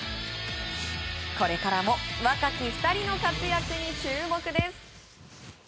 これからも若き２人の活躍に注目です。